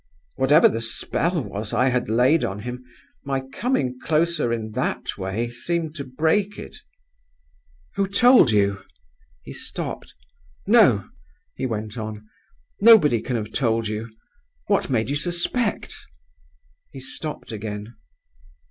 Whatever the spell was I had laid on him, my coming closer in that way seemed to break it. "'Who told you?' He stopped. 'No,' he went on, 'nobody can have told you. What made you suspect ?' He stopped again.